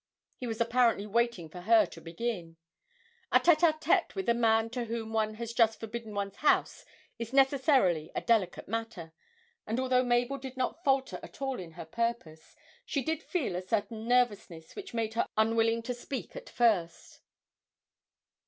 He was apparently waiting for her to begin. A tête à tête with a man to whom one has just forbidden one's house is necessarily a delicate matter, and, although Mabel did not falter at all in her purpose, she did feel a certain nervousness which made her unwilling to speak at first.